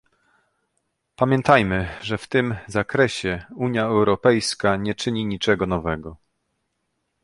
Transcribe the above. Pamiętajmy, że w tym zakresie Unia Europejska nie czyni niczego nowego